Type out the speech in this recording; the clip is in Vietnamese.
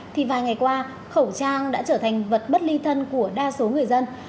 thì vài ngày qua khẩu trang đã trở thành vật bất ly thân của đa số người dân